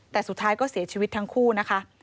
แต่สุดท้ายก็เสียชีวิตทั้งคู่นะคะ